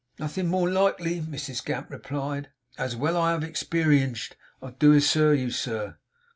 'Nothin' more likely!' Mrs Gamp replied. 'As well I have experienged, I do assure you, sir.